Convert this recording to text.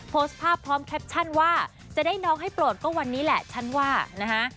โพสต์ภาพพร้อมแคปชั่นว่าจะได้น้องให้โปรดก็วันนี้แหละฉันว่านะฮะ